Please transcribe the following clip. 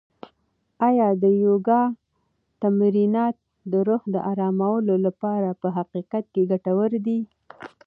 آیا د یوګا تمرینات د روح د ارامولو لپاره په حقیقت کې ګټور دي؟